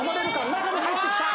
中に入ってきた。